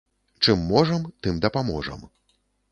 Чым можам, тым дапаможам.